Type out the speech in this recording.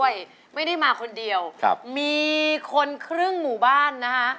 ยินดีต้อนรับพี่บุญช่วย